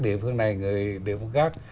địa phương này người địa phương khác